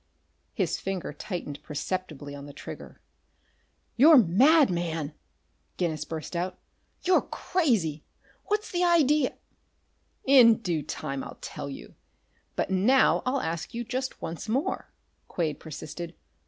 His finger tightened perceptibly on the trigger. "You're mad, man!" Guinness burst out. "You're crazy! What's the idea " "In due time I'll tell you. But now I'll ask you just once more," Quade persisted.